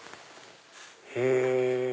へぇ。